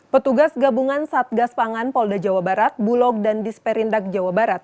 petugas gabungan satgas pangan polda jawa barat bulog dan disperindak jawa barat